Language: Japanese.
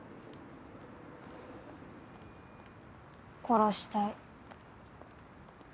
殺したい。